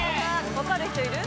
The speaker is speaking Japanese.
分かる人いる？